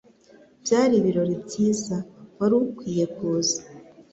Byari ibirori byiza. Wari ukwiye kuza.